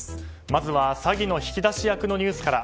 まずは詐欺の引き出し役のニュースから。